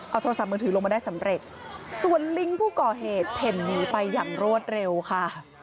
เอาโทรศัพท์มือถือลงมาได้สำเร็จส่วนลิงก์ผู้ก่อเหตุเพ่นหนีไปอย่างรวดเร็วค่ะ